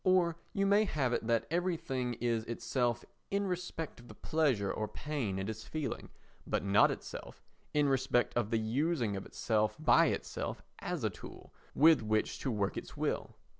Or you may have it that everything is itself in respect of the pleasure or pain it is feeling, but not itself in respect of the using of itself by itself as a tool with which to work its will.